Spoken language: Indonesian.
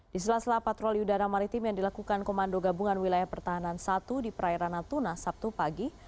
di sela sela patroli udara maritim yang dilakukan komando gabungan wilayah pertahanan satu di perairan natuna sabtu pagi